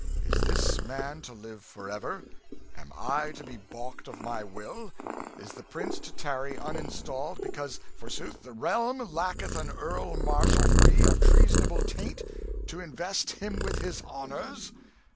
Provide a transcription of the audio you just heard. Is this man to live for ever? Am I to be baulked of my will? Is the prince to tarry uninstalled, because, forsooth, the realm lacketh an Earl Marshal free of treasonable taint to invest him with his honours?